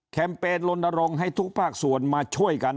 เปญลนรงค์ให้ทุกภาคส่วนมาช่วยกัน